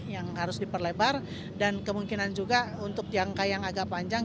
yang harus diperlebar dan kemungkinan juga untuk jangka yang agak panjang